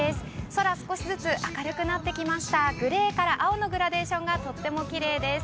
空、少しずつ明るくなってきましたグレーから青のグラデーションがとてもきれいです。